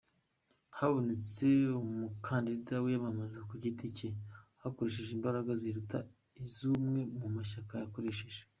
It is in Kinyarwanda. Habonetse Umukandida wiyamamaza ku giti cye wakoresheje imbaraga ziruta iz’amwe mu mashyaka yakoresheje .